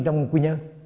trong quy nhơn